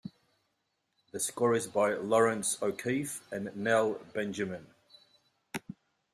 The score is by Laurence O'Keefe and Nell Benjamin.